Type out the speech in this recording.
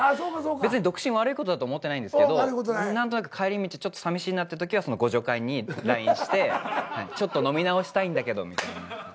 別に独身悪いことだと思ってないんですけど何となく帰り道ちょっとさみしいなってときはその互助会にＬＩＮＥして「ちょっと飲み直したいんだけど」みたいな。